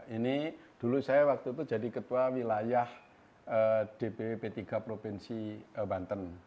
ini dulu saya waktu itu jadi ketua wilayah dpwp tiga provinsi banten